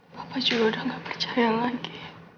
bapak juga udah gak percaya lagi